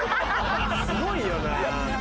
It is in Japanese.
すごいよな。